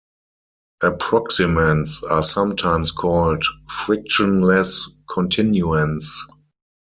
Approximants are sometimes called "frictionless continuants".